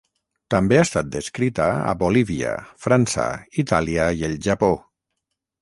També ha estat descrita a Bolívia, França, Itàlia i el Japó.